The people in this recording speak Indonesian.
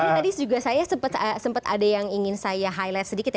tapi tadi juga saya sempat ada yang ingin saya highlight sedikit ya